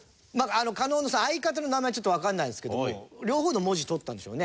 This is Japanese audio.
狩野のさ相方の名前ちょっとわかんないんですけども両方の文字取ったんでしょうね。